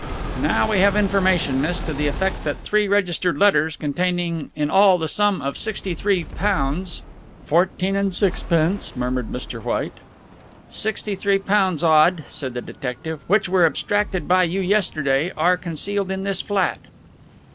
"Now we have information, miss, to the effect that three registered letters, containing in all the sum of £63 " "Fourteen and sevenpence," murmured Mr. White. "Sixty three pounds odd," said the detective, "which were abstracted by you yesterday are concealed in this flat."